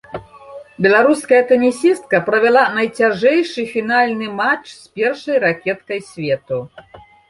Беларуская тэнісістка правяла найцяжэйшы фінальны матч з першай ракеткай свету.